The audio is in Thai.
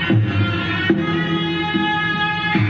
สุดท้ายสุดท้ายสุดท้าย